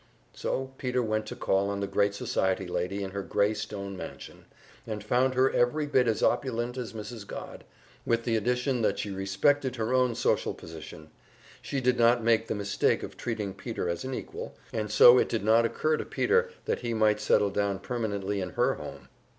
So Peter went to call on the great society lady in her grey stone mansion, and found her every bit as opulent as Mrs. Godd, with the addition that she respected her own social position; she did not make the mistake of treating Peter as an equal, and so it did not occur to Peter that he might settle down permanently in her home.